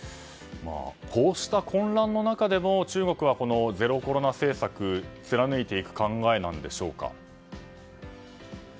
こうした混乱の中でも中国はゼロコロナ政策を貫いていく考えなんでしょうか？